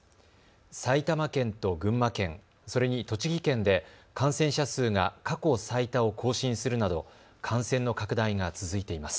埼玉県と群馬県、それに栃木県で感染者数が過去最多を更新するなど、感染の拡大が続いています。